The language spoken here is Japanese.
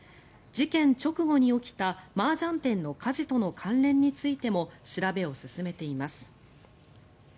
事件直後に起きたマージャン店の火事との関連についても調べを進めています。